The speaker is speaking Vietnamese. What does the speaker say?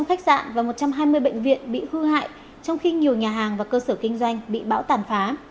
một trăm linh khách sạn và một trăm hai mươi bệnh viện bị hư hại trong khi nhiều nhà hàng và cơ sở kinh doanh bị bão tàn phá